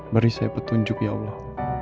beri saya petunjuk ya allah